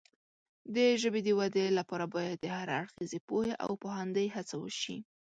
د ژبې د وده لپاره باید د هر اړخیزې پوهې او پوهاندۍ هڅه وشي.